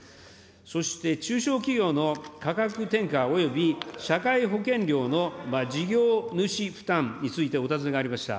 そして、中小企業の価格転嫁および社会保険料の事業主負担について、お尋ねがありました。